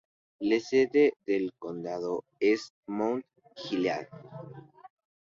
La sede del condado es Mount Gilead.